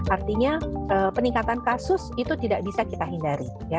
artinya peningkatan kasus itu tidak bisa kita hindari